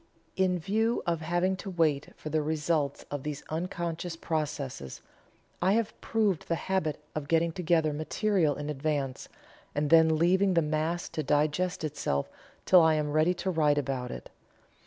In view of having to wait for the results of these unconscious processes, I have proved the habit of getting together material in advance, and then leaving the mass to digest itself till I am ready to write about it.